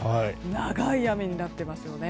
長い雨になっています。